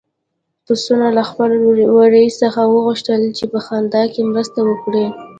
پسونو له خپل وري څخه وغوښتل چې په خندا کې مرسته وکړي.